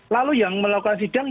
lalu yang melakukan sidang